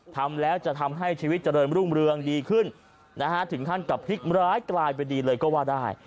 ทำแล้วจะทำให้ชีวิตเจริญรุ่งเรืองดีขึ้นนะฮะถึงขั้นกับพลิกร้ายกลายไปดีเลยก็ว่าได้